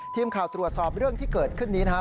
ทีมข่าวตรวจสอบเรื่องที่เกิดขึ้นนี้นะครับ